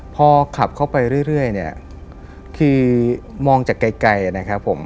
พอขับเข้าไปเรื่อยเนี่ยคือมองจากไกลนะครับผม